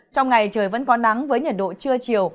trong ngày trời vẫn có nắng với nhiệt độ trưa chiều